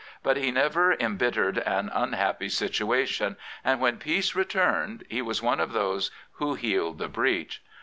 But he never embittered an unhappy situation, and when peace returned he was one of those who healed the breach.